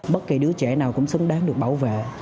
bất kỳ đứa trẻ nào cũng xứng đáng được bảo vệ